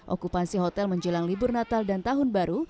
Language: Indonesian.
okupansi hotel menjelang libur natal dan tahun baru